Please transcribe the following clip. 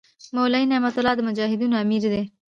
مولوي نعمت الله د مجاهدینو امیر دی.